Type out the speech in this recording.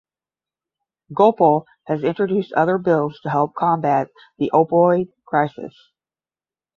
Gopal has introduced other bills to help combat the opioid crisis.